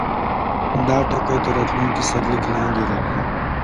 دا ټکی تر راتلونکي سرلیک لاندې راځي.